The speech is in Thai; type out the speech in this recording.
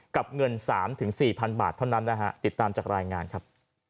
กับเงิน๓๔๐๐บาทเท่านั้นนะฮะติดตามจากรายงานครับ